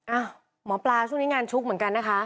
หมอปลาช่วงนี้งานชุกเหมือนกันนะคะ